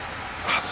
あっ！